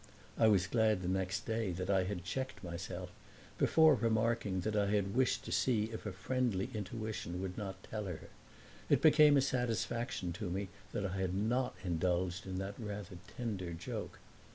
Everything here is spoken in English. I was glad the next day that I had checked myself before remarking that I had wished to see if a friendly intuition would not tell her: it became a satisfaction to me that I had not indulged in that rather tender joke.